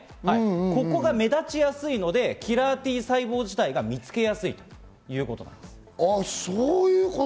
ここが目立ちやすいのでキラーＴ細胞自体が見つけやすいということ。